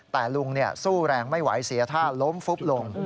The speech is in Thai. แต่ลุงสู้แรงไม่ไหวเสียท่าล้มฟุบลง